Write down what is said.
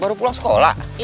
baru pulang sekolah